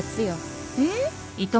えっ？